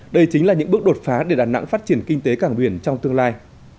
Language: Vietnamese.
đây chính là những bước đột phá để đà nẵng phát triển kinh tế cảng biển trong tương lai